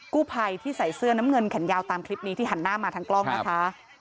กู้ภัยที่ใส่เสื้อน้ำเงินแขนยาวตามคลิปนี้ที่หันหน้ามาทางกล้องนะคะ